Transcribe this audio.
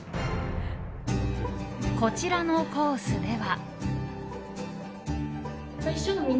こちらのコースでは。